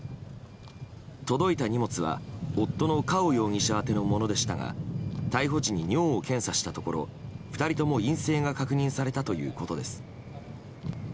届いた荷物は、夫のカオ容疑者宛てのものでしたが逮捕時に尿を検査したところ２人とも陰性が確認されたということです。